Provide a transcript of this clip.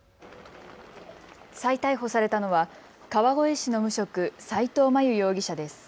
再逮捕されたのは川越市の無職、齋藤真悠容疑者です。